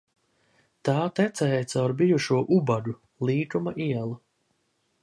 Tā tecēja caur bijušo Ubagu līkuma ielu.